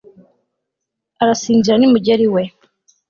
Azasinzira nimugera iwe